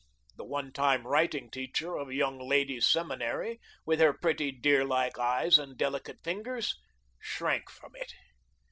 The one time writing teacher of a young ladies' seminary, with her pretty deer like eyes and delicate fingers, shrank from it.